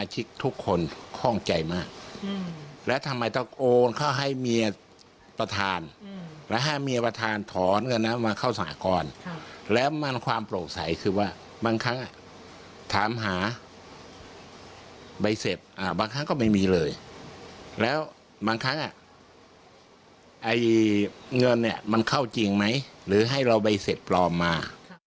จริงไหมหรือให้เราไปเสร็จปลอมมา